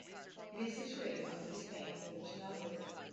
It is situated on the east bank of the Chenab river.